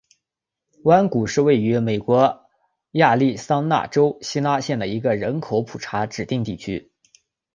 弯谷是位于美国亚利桑那州希拉县的一个人口普查指定地区。